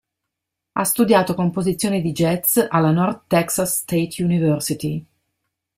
Ha studiato composizione di jazz alla North Texas State University.